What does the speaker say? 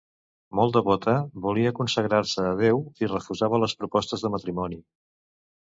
Molt devota, volia consagrar-se a Déu i refusava les propostes de matrimoni.